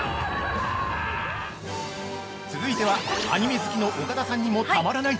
◆続いては、アニメ好きの岡田さんにもたまらない